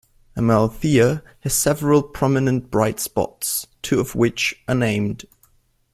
Amalthea has several prominent bright spots, two of which are named.